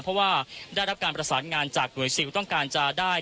เพราะว่าได้รับการประสานงานจากหน่วยซิลต้องการจะได้